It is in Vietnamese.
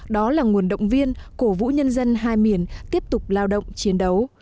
đó là nguồn động viên cổ vũ nhân dân hai miền tiếp tục lao động chiến đấu